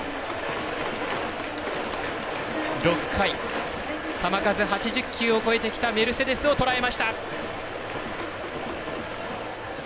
６回、球数８０球を超えてきたメルセデスをとらえました。